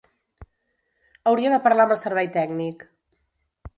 Hauria de parlar amb el servei tècnic.